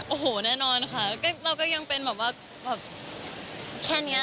โอ้โหแน่นอนค่ะเราก็ยังเป็นแบบว่าแบบแค่นี้